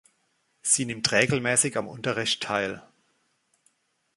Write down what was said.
Sie nimmt regelmäßig am Unterricht teil